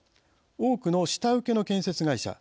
多くの下請けの建設会社。